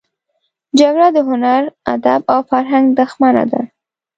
جګړه د هنر، ادب او فرهنګ دښمنه ده